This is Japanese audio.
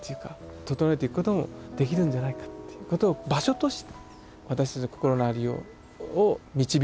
整えていくこともできるんじゃないかっていうことを場所として私たちの心のありようを導いてくれてるっていうかね